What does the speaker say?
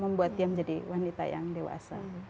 membuat dia menjadi wanita yang dewasa